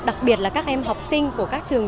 đặc biệt là các em học sinh của các trường